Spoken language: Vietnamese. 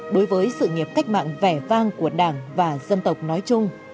đối với sự nghiệp cách mạng vẻ vang của đảng và dân tộc nói chung